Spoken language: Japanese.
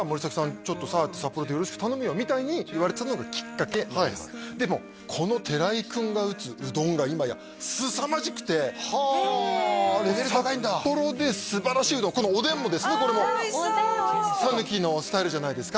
ちょっとさ札幌でよろしく頼むよみたいに言われたのがきっかけなんですでもこの寺井君が打つうどんが今やすさまじくてはあレベル高いんだ札幌ですばらしいうどんこのおでんもですねこれもああおいしそう讃岐のスタイルじゃないですか